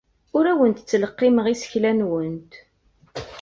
Ur awent-ttleqqimeɣ isekla-nwent.